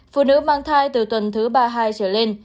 phụ nữ mang thai từ tuần thứ ba mươi hai trở lên